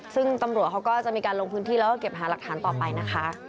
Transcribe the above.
ซึ่งตำรวจเขาก็จะมีการลงพื้นที่แล้วก็เก็บหาหลักฐานต่อไปนะคะ